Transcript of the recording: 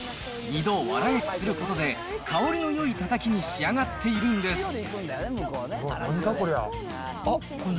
２度わら焼きすることで、香りのよいたたきに仕上がっているんです。